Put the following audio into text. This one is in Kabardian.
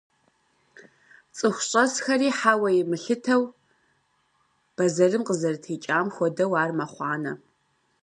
ЦӀыху щӀэсхэри хьэуэ имылъытэу, бэзэрым къызэрытекӀам хуэдэу ар мэхъуанэ.